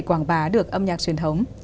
quảng bá được âm nhạc truyền thống